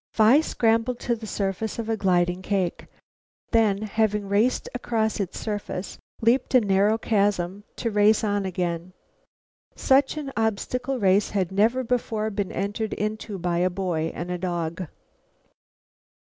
Phi scrambled to the surface of a gliding cake, then, having raced across its surface, leaped a narrow chasm, to race on again. Such an obstacle race had never before been entered into by a boy and a dog.